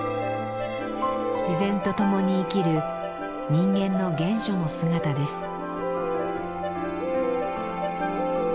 自然と共に生きる人間の原初の姿です。